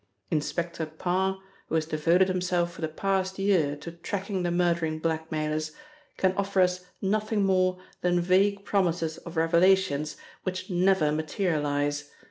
Inspector Parr, who has devoted himself for the past year to tracking the murdering blackmailers, can offer us nothing more than vague promises of revelations which never materialise.